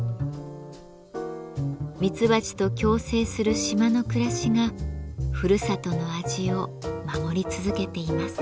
ミツバチと共生する島の暮らしがふるさとの味を守り続けています。